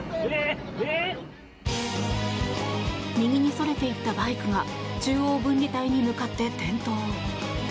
右にそれていったバイクが中央分離帯に向かって転倒。